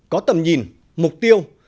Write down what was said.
có tầm nhìn mục tiêu